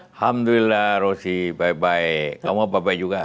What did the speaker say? alhamdulillah rosi baik baik kamu apa apa juga